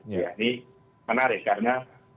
ini menarik karena